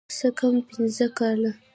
څه کم پينځه کاله.